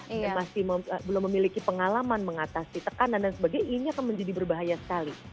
yang masih belum memiliki pengalaman mengatasi tekanan dan sebagainya ini akan menjadi berbahaya sekali